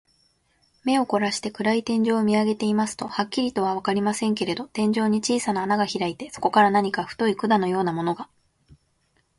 目をこらして、暗い天井を見あげていますと、はっきりとはわかりませんけれど、天井に小さな穴がひらいて、そこから何か太い管のようなものが、